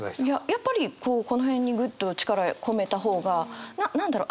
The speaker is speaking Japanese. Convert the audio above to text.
やっぱりこうこの辺にグッと力込めた方が何だろう